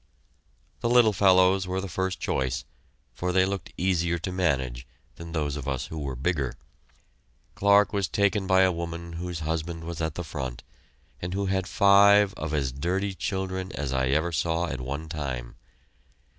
The little fellows were the first choice, for they looked easier to manage than those of us who were bigger. Clarke was taken by a woman whose husband was at the front, and who had five of as dirty children as I ever saw at one time.